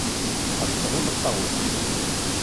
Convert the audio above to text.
Tḥebseḍ imeṭṭawen.